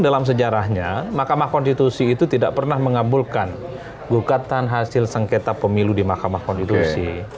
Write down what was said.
dalam sejarahnya mahkamah konstitusi itu tidak pernah mengabulkan gugatan hasil sengketa pemilu di mahkamah konstitusi